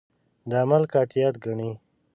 د عمل قاطعیت ګڼي.